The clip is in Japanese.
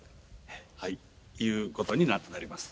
はいいうことになります